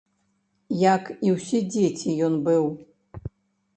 Як і ўсе дзеці ён быў.